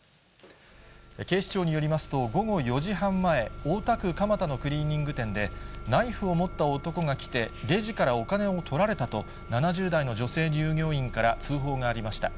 警視庁によりますと、午後４時半前、大田区蒲田のクリーニング店で、ナイフを持った男が来て、レジからお金をとられたと、７０代の女性従業員から通報がありました。